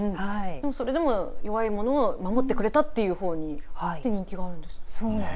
それでも弱い者を守ってくれたっていうほうに人気があるんですね。